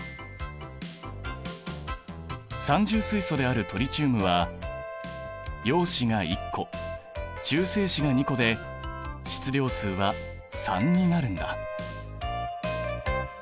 三重水素であるトリチウムは陽子が１個中性子が２個で質量数は３になるんだ。